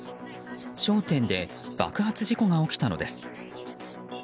商店で爆発事故が起きたのです。